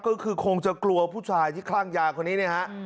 ก็คือคงจะกลัวผู้ชายที่คลั่งยาคนนี้เนี่ยฮะ